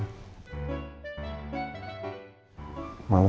udah saya ngantuk mau tidur